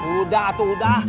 udah tuh udah